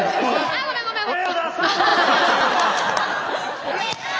ありがとうございます。